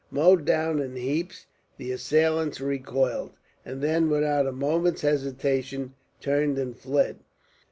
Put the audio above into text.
Mowed down in heaps, the assailants recoiled; and then, without a moment's hesitation, turned and fled.